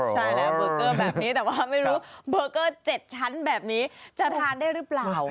ใช่แล้วเบอร์เกอร์แบบนี้แต่ว่าไม่รู้เบอร์เกอร์๗ชั้นแบบนี้จะทานได้หรือเปล่า